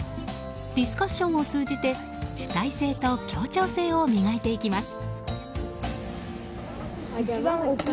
ディスカッションを通じて主体性と協調性を磨いていきます。